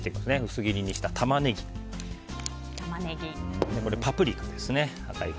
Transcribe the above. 薄切りにしたタマネギ赤いパプリカですね。